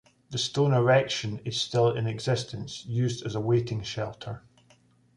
The "stone erection" is still in existence, used as a waiting shelter.